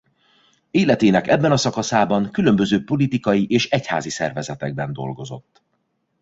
Életének ebben a szakaszában különböző politikai és egyházi szervezetekben dolgozott.